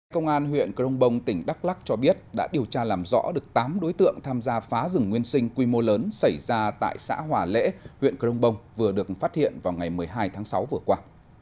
công an huyện crong bông tỉnh đắk lắc cho biết đã điều tra làm rõ được tám đối tượng tham gia phá rừng nguyên sinh quy mô lớn xảy ra tại xã hòa lễ huyện crong bông vừa được phát hiện vào ngày một mươi hai tháng sáu vừa qua